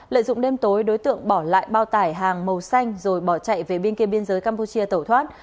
lợi dụng đêm tối đối tượng bỏ lại bao tải hàng màu xanh rồi bỏ chạy về bên kia biên giới campuchia tẩu thoát